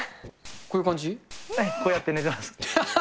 こうやって寝てます。